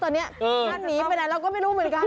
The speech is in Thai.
ไปไหนแล้วไม่รู้ตอนนี้อร่อยน้อยเราก็ไม่รู้เลย